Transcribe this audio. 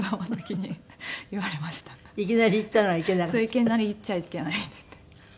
「いきなり言っちゃいけない」って言って。